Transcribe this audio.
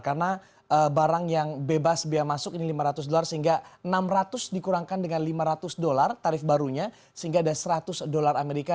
karena barang yang bebas bea masuk ini lima ratus dolar sehingga enam ratus dikurangkan dengan lima ratus dolar tarif barunya sehingga ada seratus dolar amerika